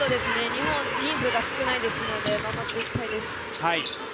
日本、人数少ないので守っていきたいです。